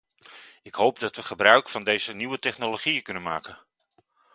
Ik hoop dat we gebruik van deze nieuwe technologieën kunnen maken.